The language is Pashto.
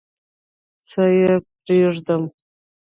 څه یې پرېږدم؟